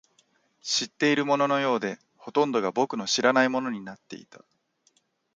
知っているもののようで、ほとんどが僕の知らないものになっていた